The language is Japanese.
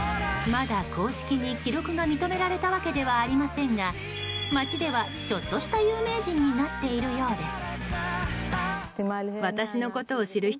まだ公式に記録が認められたわけではありませんが街では、ちょっとした有名人になっているようです。